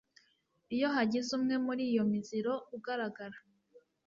iyo hagize umwe muri iyo miziro ugaragara